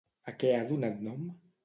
A què ha donat nom?